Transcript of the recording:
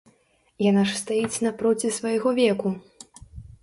Яна ж стаіць напроці свайго веку.